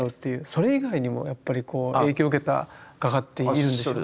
それ以外にもやっぱり影響を受けた画家っているんでしょうか？